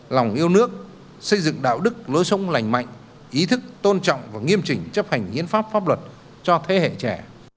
lòng yêu nước xây dựng đạo đức lối sống lành mạnh ý thức tôn trọng và nghiêm chỉnh chấp hành hiến pháp pháp luật cho thế hệ trẻ